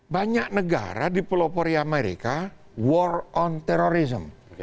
banyak negara di pelopori amerika war on terrorism